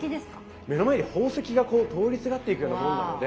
目の前に宝石がこう通りすがっていくようなもんなので。